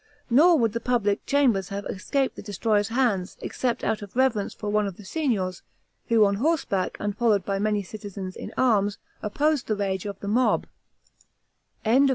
Nor would the public chambers have escaped these destroyers' hands, except out of reverence for one of the Signors, who on horseback, and followed by many citizens in arms, opposed the rage of the mob.